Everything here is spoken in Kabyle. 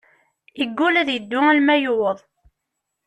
Yegull ad yeddu alma yuweḍ.